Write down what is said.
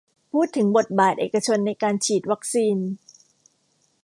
พูดถึงบทบาทเอกชนในการฉีดวัคซีน